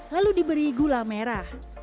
lalu diberi gula merah